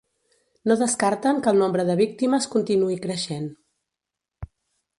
No descarten que el nombre de víctimes continuï creixent.